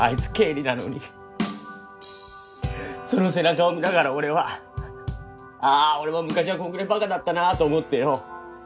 その背中を見ながら俺はあぁ俺も昔はこんぐらいばかだったなと思ってよ。